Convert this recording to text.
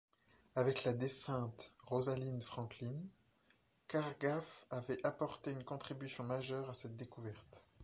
Avec la défunte Rosalind Franklin, Chargaff avait apporté une contribution majeure à cette découverte.